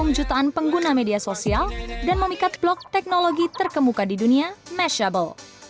dia memiliki kekuatan untuk menjaga keuntungan media sosial dan memikat blok teknologi terkemuka di dunia mashable